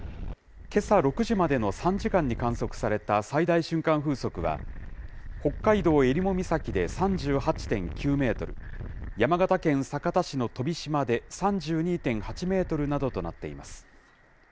けさ６時までの３時間に観測された最大瞬間風速は、北海道えりも岬で３８．９メートル、山形県酒田市の飛島で３２．８メートルなどとなっています。